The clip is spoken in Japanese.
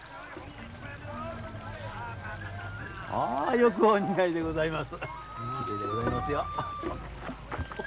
よくお似合いでございます。